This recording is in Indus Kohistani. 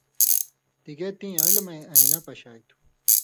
تگے تیں علمَیں آہیۡنہ پشائ تُھو۔